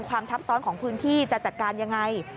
ทับซ้อนของพื้นที่จะจัดการยังไง